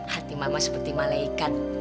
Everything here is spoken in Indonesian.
hati mama seperti malaikat